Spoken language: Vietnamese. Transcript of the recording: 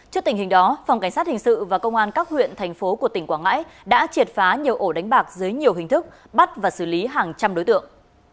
trước tình hình đó phòng cảnh sát hình sự và công an các huyện thành phố của tỉnh quảng ngãi đã triệt phá nhiều ổ đánh bạc dưới nhiều hình thức bắt và xử lý hàng trăm đối tượng